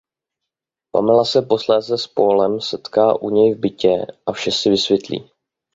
Pamela se posléze s Paulem setká u něj v bytě a vše si vysvětlí.